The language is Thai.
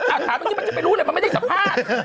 อ้าวถามก็จะไปรู้เลยมันไม่ได้ศัพท์